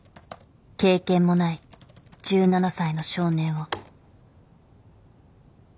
経験もない１７才の少年を。